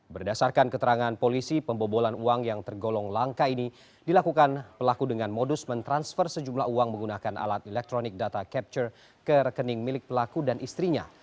berdasarkan keterangan polisi pembobolan uang yang tergolong langka ini dilakukan pelaku dengan modus mentransfer sejumlah uang menggunakan alat electronic data capture ke rekening milik pelaku dan istrinya